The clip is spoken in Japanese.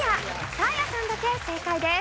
サーヤさんだけ正解です。